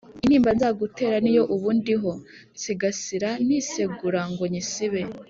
Intimba nzagutera Niyo ubu ndiho nsigasira Nisegura ngo nyisibe!